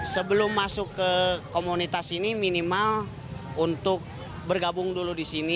sebelum masuk ke komunitas ini minimal untuk bergabung dulu di sini